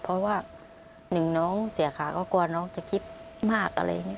เพราะว่าหนึ่งน้องเสียขาก็กลัวน้องจะคิดมากอะไรอย่างนี้